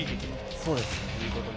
そうですね。